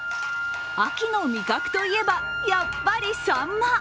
秋の味覚といえば、やっぱりさんま。